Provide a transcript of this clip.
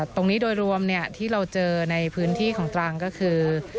ตรงนี้โดยรวมที่เราเจอในพื้นที่ของตรังก็คือ